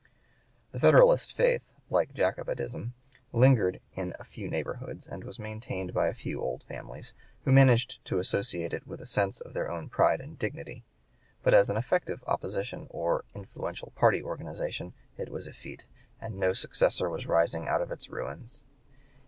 The Federalist faith, like Jacobitism, lingered in a few neighborhoods, and was maintained by a few old families, who managed to associate it with a sense of their own pride and dignity; but as an effective opposition or influential party organization it was effete, and no successor was rising out of its ruins.